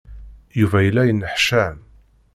Yuba yella yenneḥcam.